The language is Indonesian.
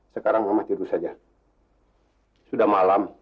sekarang rumah tidur saja sudah malam